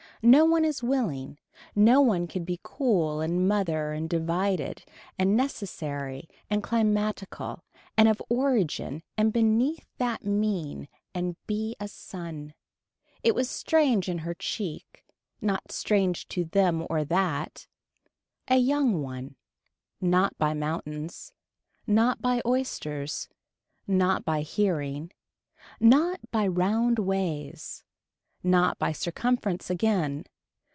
No one is willing. No one could be cool and mother and divided and necessary and climatical and of origin and beneath that mean and be a sun. It was strange in her cheek. Not strange to them or that. A young one. Not by mountains. Not by oysters. Not by hearing. Not by round ways. Not by circumference again.